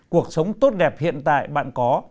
cuộc sống tốt đẹp hiện tại bạn có